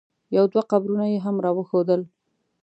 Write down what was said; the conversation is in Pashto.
یو دوه قبرونه یې هم را وښودل.